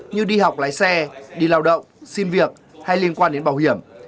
như đi học lái xe đi lao động xin việc hay liên quan đến bảo hiểm